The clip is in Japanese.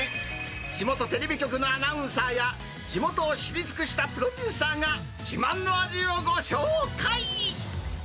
地元テレビ局のアナウンサーや、地元を知り尽くしたプロデューサーが自慢の味をご紹介。